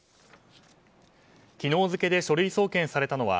昨日付で書類送検されたのは